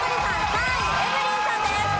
３位エブリンさんです。